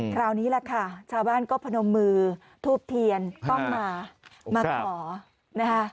คราวนี้แหละค่ะชาวบ้านก็พนมมือทูบเทียนต้องมามาขอนะคะ